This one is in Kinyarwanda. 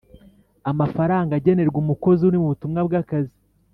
amafaranga agenerwa umukozi uri mu butumwa bw’akazi